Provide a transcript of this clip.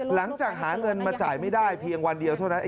หลังจากหาเงินมาจ่ายไม่ได้เพียงวันเดียวเท่านั้น